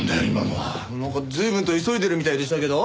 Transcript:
なんか随分と急いでるみたいでしたけど。